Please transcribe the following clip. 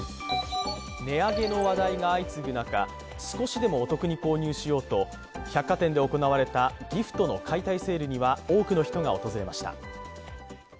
値上げの話題が相次ぐ中、少しでもお得に購入しようと百貨店で行われたギフトの解体セールには多くの人が訪れました。